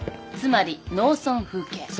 つまり農村風景。